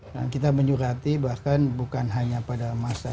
dan kita menyurati bahkan bukan hanya pada masa